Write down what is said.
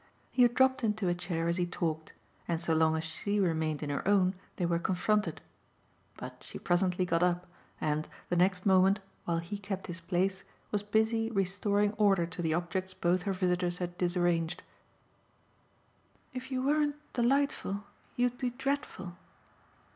He had dropped into a chair as he talked, and so long as she remained in her own they were confronted; but she presently got up and, the next moment, while he kept his place, was busy restoring order to the objects both her visitors had disarranged. "If you weren't delightful you'd be dreadful!"